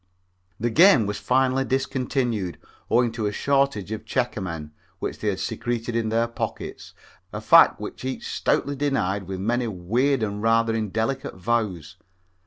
The game was finally discontinued, owing to a shortage of checkermen which they had secreted in their pockets, a fact which each one stoutly denied with many weird and rather indelicate vows.